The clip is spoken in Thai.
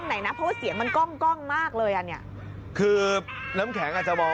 ไอ้แม่มาหาแม่หน่อย